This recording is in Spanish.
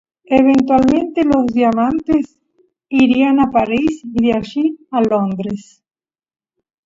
Eventualmente los diamantes irían a París y de allí a Londres.